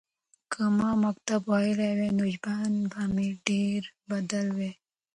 که ما مکتب ویلی وای نو ژوند به مې ډېر بدل وای.